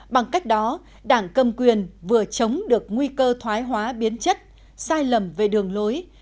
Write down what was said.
bằng cách đó đảng cầm quyền vừa chống được nguy cơ thoái hóa biến chất sai lầm về đường lối